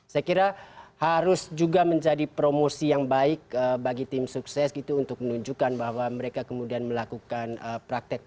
saya kira harus juga menjadi promosi yang baik bagi tim sukses gitu untuk menunjukkan bahwa mereka kemudian melakukan praktek